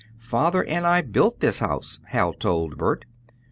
"Father and I built this house," Hal told Bert.